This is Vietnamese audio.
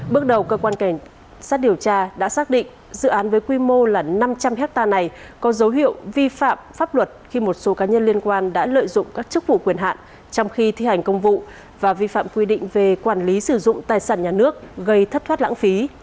bước đầu cơ quan cảnh sát điều tra đã xác định dự án với quy mô là năm trăm linh hectare này có dấu hiệu vi phạm pháp luật khi một số cá nhân liên quan đã lợi dụng các chức vụ quyền hạn trong khi thi hành công vụ và vi phạm quy định về quản lý sử dụng tài sản nhà nước gây thất thoát lãng phí